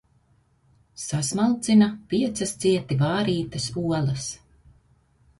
Sasmalcina piecas cieti vārītas olas.